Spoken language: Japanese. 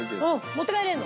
持って帰れるの？